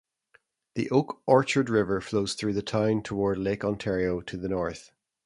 The Oak Orchard River flows through the town toward Lake Ontario to the north.